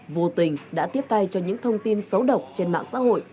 vô tình đã tiếp tay cho những thông tin xấu độc trên mạng xã hội